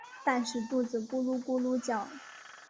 但是肚子咕噜咕噜叫